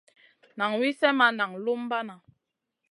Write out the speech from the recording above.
Nan wi slèh ma naŋ lumbana.